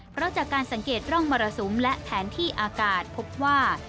เพราะจากการสังเกตร่องมรสุมและแผนที่อากาศพบว่า